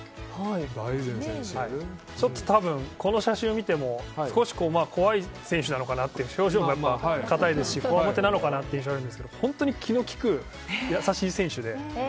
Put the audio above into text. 多分、この写真を見ても少し怖い選手なのかなと表情がかたいですしこわもてなのかなっていう印象があるんですけど本当に気の利く優しい選手で。